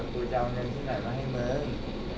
กูจะเอาเงินที่ไหนมาให้มึง